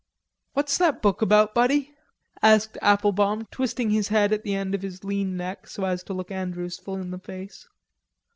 "What's that book about, buddy?" asked Applebaum, twisting his head at the end of his lean neck so as to look Andrews full in the face.